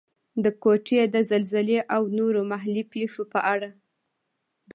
د کوټې د زلزلې او نورو محلي پېښو په اړه.